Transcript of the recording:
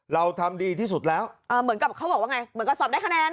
เราทำดีที่สุดแล้วอ่าเหมือนกับเขาบอกว่าไงเหมือนกับสอบได้คะแนนอ่ะ